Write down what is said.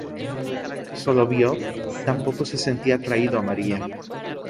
Soloviov tampoco se sentía atraído a María.